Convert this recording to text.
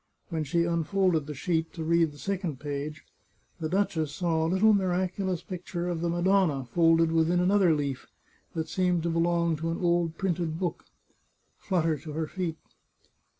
When she unfolded the sheet, to read the second page, the duchess saw a little miraculous picture of the Madonna folded within another leaf, that seemed to belong to an old printed book, flutter to her. feet.